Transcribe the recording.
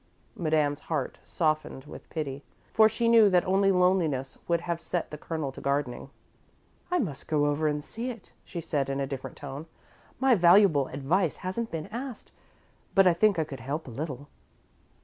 Madame's heart softened with pity, for she knew that only loneliness would have set the Colonel to gardening. "I must go over and see it," she said, in a different tone. "My valuable advice hasn't been asked, but I think I could help a little."